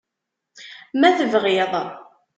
Ma tebɣiḍ.